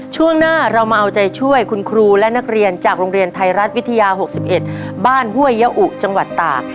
ช่วงหน้าเรามาเอาใจช่วยคุณครูและนักเรียนจากโรงเรียนไทยรัฐวิทยา๖๑บ้านห้วยยะอุจังหวัดตาก